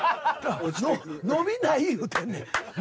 伸びない言うてんねん。